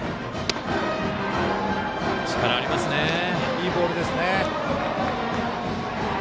いいボールですね。